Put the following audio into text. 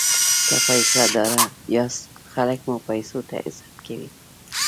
که پیسه داره یاست خلک مو پیسو ته عزت کوي.